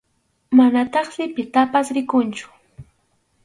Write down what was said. Manataqsi pitapas rikunchu.